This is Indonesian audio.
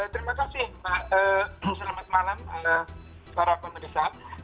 terima kasih selamat malam para pemerintah